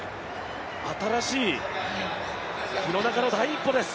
新しい廣中の第一歩です。